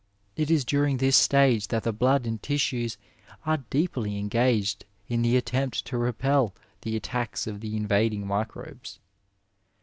It is during this stage that the blood and tissues are deeply engaged in the attempt to repel the attacks of the invading microbes.